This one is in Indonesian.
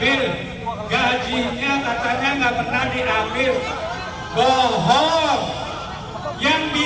ini ada calon saya berhenti